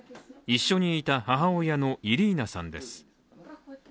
一緒にいた母親のイリーナさんです。